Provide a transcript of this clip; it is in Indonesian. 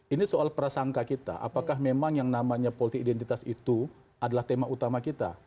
ini soal prasangka kita apakah memang yang namanya politik identitas itu adalah tema utama kita